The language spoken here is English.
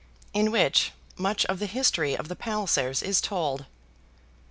In Which Much of the History of the Pallisers Is Told.